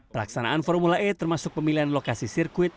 pelaksanaan formula e termasuk pemilihan lokasi sirkuit